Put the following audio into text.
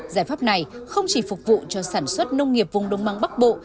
giải pháp này không chỉ phục vụ cho sản xuất nông nghiệp vùng đông băng bắc bộ